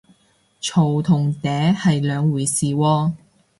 嘈同嗲係兩回事喎